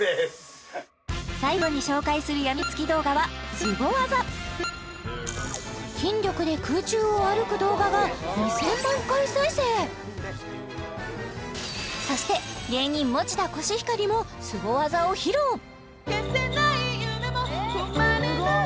最後に紹介するやみつき動画はスゴ技筋力で空中を歩く動画が２０００万回再生そして芸人餅田コシヒカリもスゴ技を披露消せない夢も止まれない